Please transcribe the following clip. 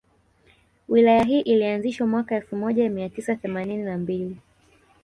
Wilaya hii ilianzishwa mwaka elfu moja mia tisa themanini na mbili